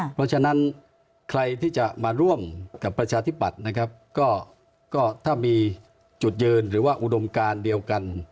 เพราะฉะนั้นใครที่จะมาร่วมกับประชาธิปัตย์นะครับก็ถ้ามีจุดยืนหรือว่าอุดมการเดียวกัน